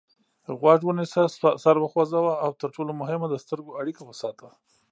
غوږ ونیسه سر وخوځوه او تر ټولو مهمه د سترګو اړیکه وساته.